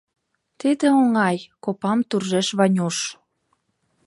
— Тиде оҥай! — копам туржеш Ванюш.